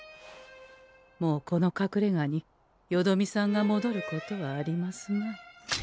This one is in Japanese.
もうこのかくれがによどみさんがもどることはありますまい。